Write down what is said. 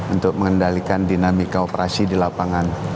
untuk mengendalikan dinamika operasi di lapangan